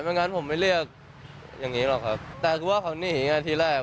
งั้นผมไม่เรียกอย่างงี้หรอกครับแต่คือว่าเขาหนีไงทีแรก